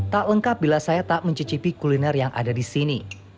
tak lengkap bila saya tak mencicipi kuliner yang ada di sini